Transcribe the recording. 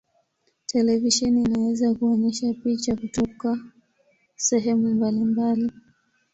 Televisheni inaweza kuonyesha picha kutoka sehemu mbalimbali.